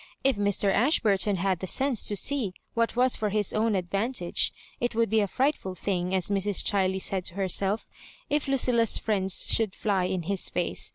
If Mr. Ash burton had the sense to see what was for his own advantage, it would be a frightful thing, as Mrs. Chiley said to herself if Lucilla's friends should fly in his face.